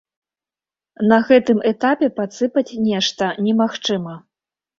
На гэтым этапе падсыпаць нешта немагчыма.